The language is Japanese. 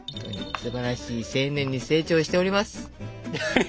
すばらしい青年に成長しております。